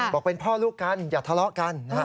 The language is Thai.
บอกเป็นพ่อลูกกันอย่าทะเลาะกันนะฮะ